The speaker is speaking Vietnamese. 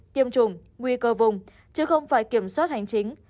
tiêm chủng nguy cơ vùng chứ không phải kiểm soát hành chính